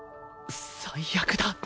最悪だ